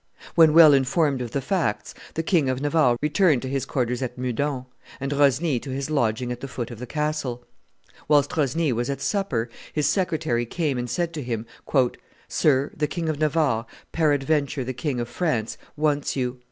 When well informed of the facts, the King of Navarre returned to his quarters at Meudon, and Rosny to his lodging at the foot of the castle. Whilst Rosny was at supper, his secretary came and said to him, "Sir, the King of Navarre, peradventure the King of France, wants you. M.